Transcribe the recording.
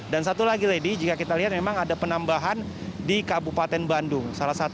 dan satu lagi jika kita lihat memang ada penambahan di kabupaten bandung